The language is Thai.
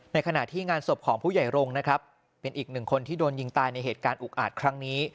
ขณะที่งานศพของผู้ใหญ่รงค์นะครับเป็นอีกหนึ่งคนที่โดนยิงตายในเหตุการณ์อุกอาจครั้งนี้